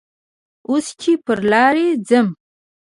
اوس چې پر لارې ځم